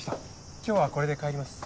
今日はこれで帰ります。